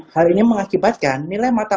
hal ini mengakibatkan nilai mata